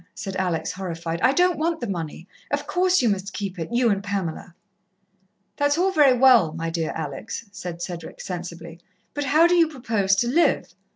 said Alex, horrified. "I don't want the money. Of course, you must keep it you and Pamela." "That's all very well, my dear Alex," said Cedric sensibly, "but how do you propose to live?